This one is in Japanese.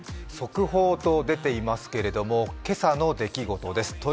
速報と出ていますけれども、今朝の出来事です。